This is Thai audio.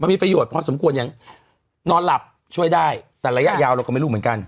มีประโยชน์พอสมควรอย่างนอนหลับช่วยได้แต่ระยะยาวเราก็ไม่รู้เหมือนกัน